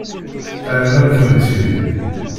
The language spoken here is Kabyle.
Rran-am-tent-id.